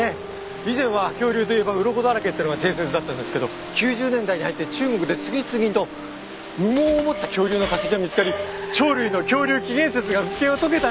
以前は恐竜といえばうろこだらけってのが定説だったんですけど９０年代に入って中国で次々と羽毛を持った恐竜の化石が見つかり鳥類の恐竜起源説が復権を遂げたんですよ。